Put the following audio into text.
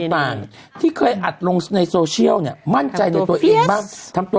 ต่างที่เคยอัดลงในโซเชียลเนี่ยมั่นใจโดยตัวเองบ้างทำตัว